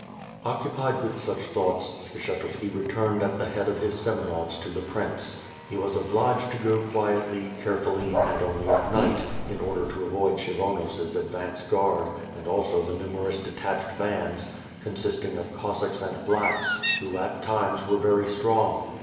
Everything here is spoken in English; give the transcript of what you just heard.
Occupied with such thoughts, Skshetuski returned at the head of his Semenovs to the prince. He was obliged to go quietly, carefully, and only at night, in order to avoid Kshy vonos's advance guard and also the numerous detached bands, consisting of Cossacks and blacks, who at times were very strong.